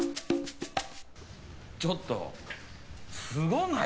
ちょっとすごない？